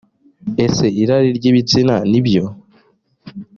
ese irari ry ibitsina ni byo